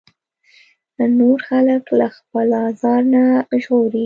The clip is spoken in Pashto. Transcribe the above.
نور خلک له خپل ازار نه وژغوري.